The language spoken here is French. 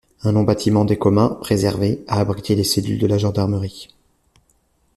Un long bâtiment des communs, préservé, a abrité les cellules de la gendarmerie.